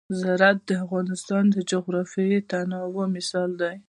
زراعت د افغانستان د جغرافیوي تنوع مثال دی.